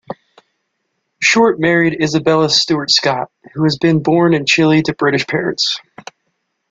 Shortt married Isabella Stewart Scott, who had been born in Chile to British parents.